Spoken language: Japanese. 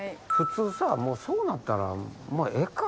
普通さもうそうなったら。